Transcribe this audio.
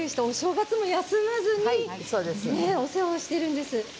声がけをしてお正月も休まずにお世話をしているんです。